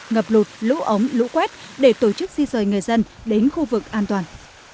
ngập lụt lũ ống lũ quét để tổ chức di rời người dân đến khu vực an toàn